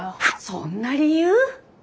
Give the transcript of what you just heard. そんな理由？